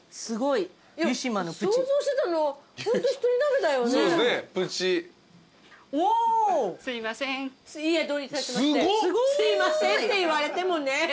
すいませんって言われてもね。